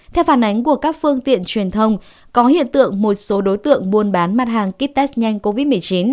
theo phản ánh của các phương tiện truyền thông có hiện tượng một số đối tượng buôn bán mặt hàng kit test nhanh covid một mươi chín